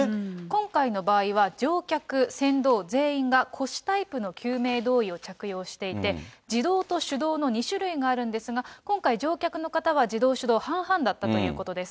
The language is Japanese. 今回の場合は、乗客、船頭、全員が腰タイプの救命胴衣を着用していて、自動と手動の２種類があるんですが、今回、乗客の方は自動手動半々だったということです。